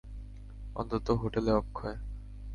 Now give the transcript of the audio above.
অন্তত হোটেলে– অক্ষয়।